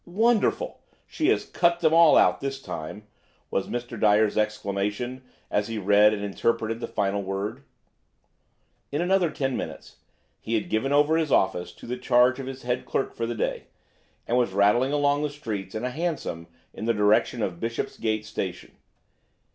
"Wonderful! She has cut them all out this time!" was Mr. Dyer's exclamation as he read and interpreted the final word. In another ten minutes he had given over his office to the charge of his head clerk for the day, and was rattling along the streets in a hansom in the direction of Bishopsgate Station.